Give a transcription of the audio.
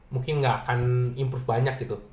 mungkin nggak akan improve banyak gitu